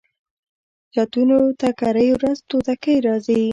چتونو ته کرۍ ورځ توتکۍ راځي